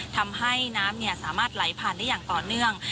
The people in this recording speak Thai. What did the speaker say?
ทำให้น้ำสามารถไหลผ่านได้อย่างต่อเนื่อง